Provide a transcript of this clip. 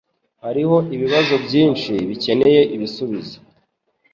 Hariho ibibazo byinshi bikeneye ibisubizo.